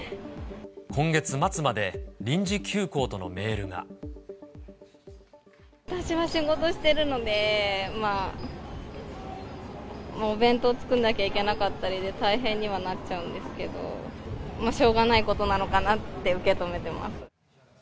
今月末まで臨時休校とのメー私は仕事してるので、お弁当作んなきゃいけなかったりで大変にはなっちゃうんですけど、まあしょうがないことなのかなと受け止めてます。